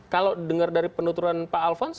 kalau dengar dari penuturan pak alfons